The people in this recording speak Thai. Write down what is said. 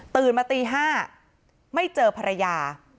มาตี๕ไม่เจอภรรยา